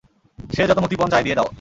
সে যত মুক্তিপণ চায় দিয়ে দাও।